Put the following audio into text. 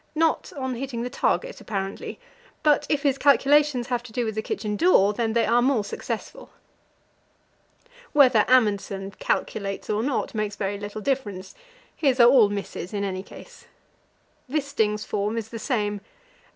Not on hitting the target, apparently; but if his calculations have to do with the kitchen door, then they are more successful. Whether Amundsen "calculates" or not makes very little difference; his are all misses in any case. Wisting's form is the same.